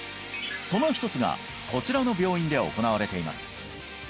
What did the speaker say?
その一つがこちらの病院で行われています